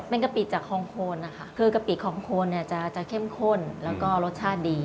เป็นกะปิจากของโคนนะคะคือกะปิของโคนเนี่ยจะเข้มข้นแล้วก็รสชาติดี